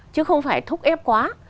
chứ không phải thúc ép quá